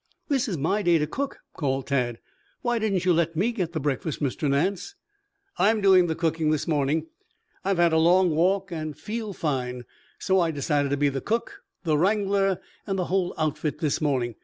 "This is my day to cook," called Tad. "Why didn't you let me get the breakfast, Mr. Nance?" "I'm doing the cooking this morning. I've had a long walk and feel fine, so I decided to be the cook, the wrangler and the whole outfit this morning.